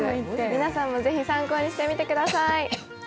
皆さんも是非参考にしてみてください。